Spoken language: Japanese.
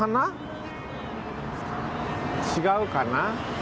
違うかな？